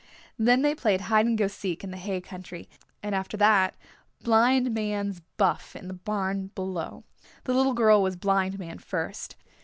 Then they played hide and go seek in the hay country, and after that Blind Man's Buff in the barn below. The little girl was Blind Man first.